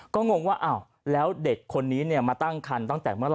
ก็งงว่าอ้าวแล้วเด็กคนนี้มาตั้งคันตั้งแต่เมื่อไห